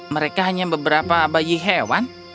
mereka hanya beberapa bayi hewan